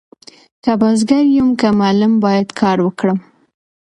که بزګر يم که معلم بايد کار وکړم.